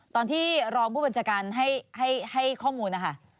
ตอนที่รองผู้บัญชาการให้ข้อมูลนะคะ